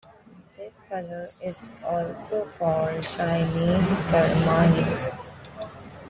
This color is also called Chinese carmine.